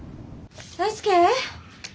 大輔？